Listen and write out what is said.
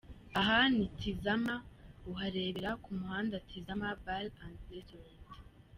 Aha ni Tizama uharebera ku muhandaTizama Bar&Restaurent .